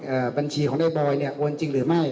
บัญชีของในบอยเนี่ยโอนจริงหรือไม่